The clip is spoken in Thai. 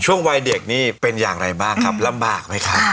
วัยเด็กนี่เป็นอย่างไรบ้างครับลำบากไหมครับ